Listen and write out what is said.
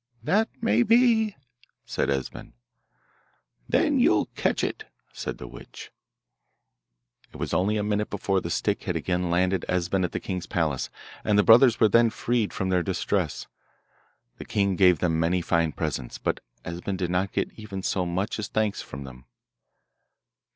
'That may be,' said Esben. 'Then you'll catch it,' said the witch. It was only a minute before the stick had again landed Esben at the king's palace, and the brothers were then freed from their distress. The king gave them many fine presents, but Esben did not get even so much as thanks from them.